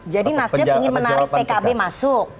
jadi nasdem ingin menarik pkb masuk